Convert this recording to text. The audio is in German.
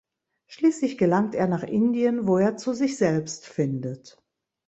Schließlich gelangt er nach Indien, wo er zu sich selbst findet.